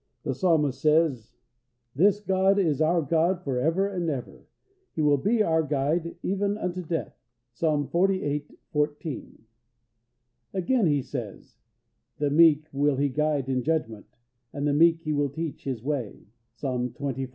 The Psalmist says: "This God is our God for ever and ever: He will be our Guide even unto death" (Psalm xlviii. 14). Again, he says: "The meek will He guide in judgment: and the meek will He teach His way" (Psalm xxv.